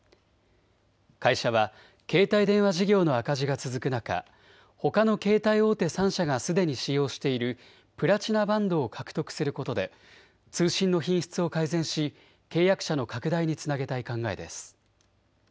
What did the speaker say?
会社は携帯電話事業の赤字が続く中、ほかの携帯大手３社がすでに使用しているプラチナバンドを獲得することで通信の品質を改善し契約者の拡大につなげたい考えです。